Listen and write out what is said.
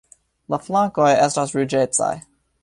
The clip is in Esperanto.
La flankoj estas ruĝecaj.